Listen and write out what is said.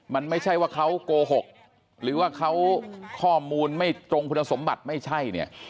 มันไม่ใช่ว่าเขาโกหกหรือว่าเขาข้อมูลไม่ตรงคุณสมบัติไม่ใช่เนี่ย